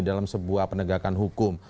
dalam sebuah penegakan hukum